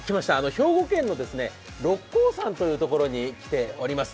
兵庫県の六甲山というところに来ております。